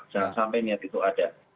jangan sampai niat itu ada